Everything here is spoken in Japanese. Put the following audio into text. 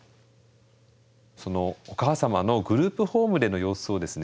そのお母様のグループホームでの様子をですね